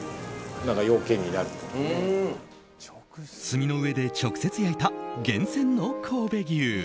炭の上で直接焼いた厳選の神戸牛。